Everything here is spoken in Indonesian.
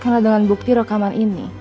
karena dengan bukti rekaman ini